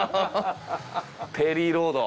ペリーロード